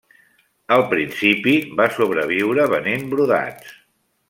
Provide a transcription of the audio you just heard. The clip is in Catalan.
Al principi va sobreviure venent brodats.